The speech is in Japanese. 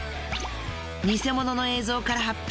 偽物の映像から発表。